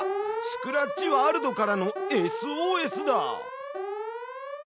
スクラッチワールドからのＳＯＳだ！